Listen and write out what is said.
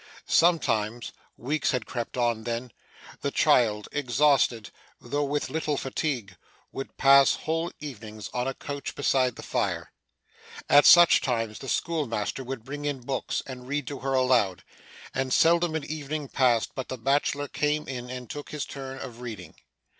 Sometimes weeks had crept on, then the child, exhausted, though with little fatigue, would pass whole evenings on a couch beside the fire. At such times, the schoolmaster would bring in books, and read to her aloud; and seldom an evening passed, but the bachelor came in, and took his turn of reading.